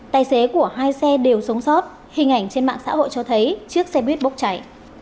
tài xế của hai xe đều sống sót hình ảnh trên mạng xã hội cho thấy chiếc xe buýt bốc cháy